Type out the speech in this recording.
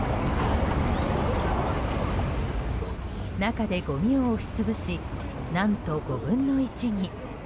中でごみを押し潰し何と５分の１に。